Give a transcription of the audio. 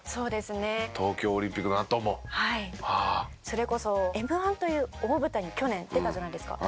それこそＭ−１という大舞台に去年出たじゃないですか。